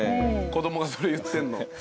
子供がそれ言ってんの。